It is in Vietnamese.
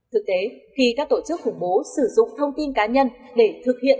thực tế khi các tổ chức khủng bố sử dụng thông tin cá nhân để thực hiện